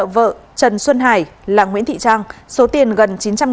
góc sân ngập nắng